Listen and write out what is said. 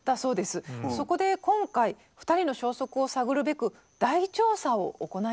そこで今回２人の消息を探るべく大調査を行いました。